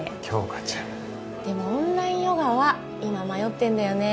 杏花ちゃんでもオンラインヨガは今迷ってんだよね